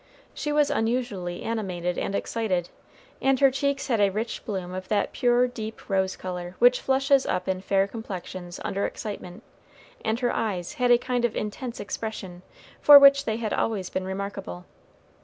She was unusually animated and excited, and her cheeks had a rich bloom of that pure deep rose color which flushes up in fair complexions under excitement, and her eyes had a kind of intense expression, for which they had always been remarkable.